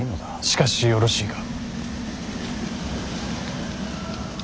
しかしよろしいか。